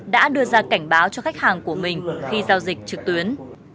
đã đưa ra cảnh báo cho khách hàng của mình khi giao dịch trực tuyến